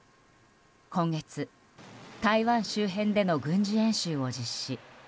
今月、台湾周辺での軍事演習を実施。